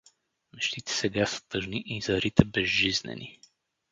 Мечтите сега са тъжни и зарите безжизнени.